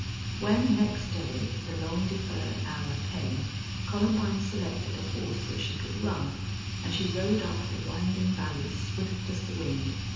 When next day the long deferred hour came Columbine selected a horse that she could run, and she rode up the winding valley swift as the wind.